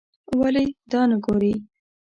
ولې دا نه ګورې.